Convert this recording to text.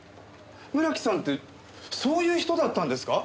村木さんってそういう人だったんですか？